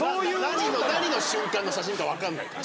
何の瞬間の写真か分かんないから。